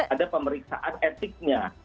ada pemeriksaan etiknya